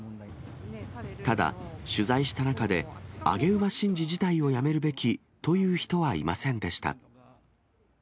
ただ、取材した中で、上げ馬神事自体をやめるべきという人はいませんでした。